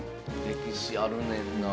歴史あるねんな。